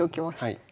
はい。